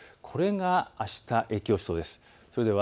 これがあした、影響しそうです。